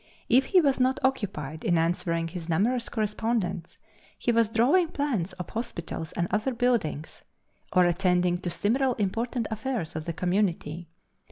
If he was not occupied in answering his numerous correspondents he was drawing plans of hospitals and other buildings, or attending to similar important affairs of the Community.